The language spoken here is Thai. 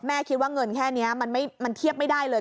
คิดว่าเงินแค่นี้มันเทียบไม่ได้เลย